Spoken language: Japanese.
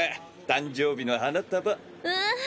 誕生日の花束。わ！